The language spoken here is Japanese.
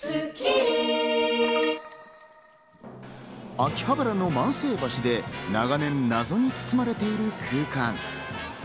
秋葉原の万世橋で長年謎に包まれている空間。